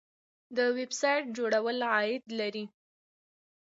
د ویب سایټ جوړول عاید لري